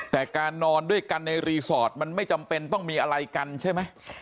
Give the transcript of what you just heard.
แต่การนอนด้วยกันในรีสอร์ทมันไม่จำเป็นต้องมีอะไรกันใช่ไหม